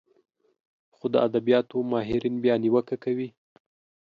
خو د ادبياتو ماهرين بيا نيوکه کوي